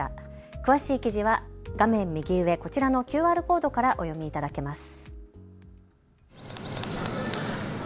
詳しい記事は画面右上、こちらのＱＲコードからお読みいただけます。